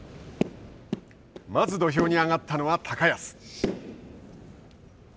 まず土俵に上がったのは高安。